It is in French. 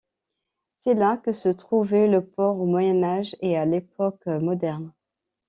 C'est là que se trouvait le port au Moyen Âge et à l'époque moderne.